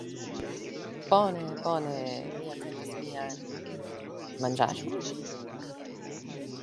Bone, bone, mi atendas mian... manĝaĵon?